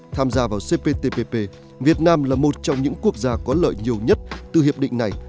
tham gia vào cptpp việt nam là một trong những quốc gia có lợi nhiều nhất từ hiệp định này